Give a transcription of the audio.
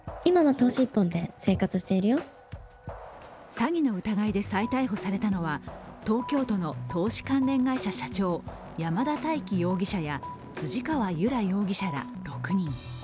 詐欺の疑いで再逮捕されたのは東京都の投資関連会社社長、山田大紀容疑者や辻川結良容疑者ら６人。